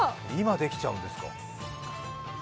今、できちゃうんですか。